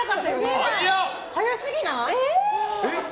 早すぎない？